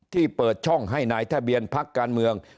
เปิดช่องให้นายทะเบียนพักการเมือง